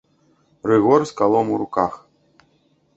Рыгор з калом у руках.